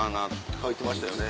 書いてましたよね。